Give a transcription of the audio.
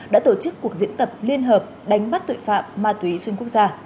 đã tổ chức cuộc diễn tập liên hợp đánh bắt tội phạm ma túy trên quốc gia